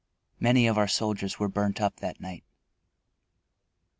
Many of our soldiers were burnt up that night.